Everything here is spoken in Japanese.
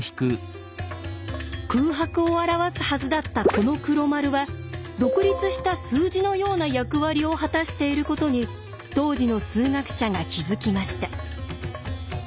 空白を表すはずだったこの黒丸は独立した数字のような役割を果たしていることに当時の数学者が気付きました。